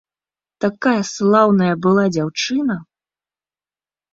Такая слаўная была дзяўчына!